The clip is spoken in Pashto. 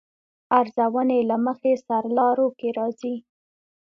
ارزونې له مخې سرلارو کې راځي.